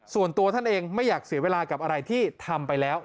ส่วนตัวท่านเองไม่อยากเสียเวลากับอะไรที่ทำไปแล้ว